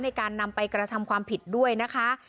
ในการนำไปกระทำความผิดด้วยนะคะ